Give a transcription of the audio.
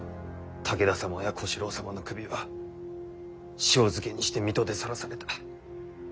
武田様や小四郎様の首は塩漬けにして水戸で晒された。